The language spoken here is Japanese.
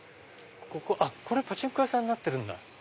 あっこれパチンコ屋さんになってるんだ。